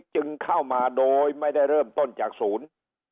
จึงเข้ามาโดยไม่ได้เริ่มต้นจากศูนย์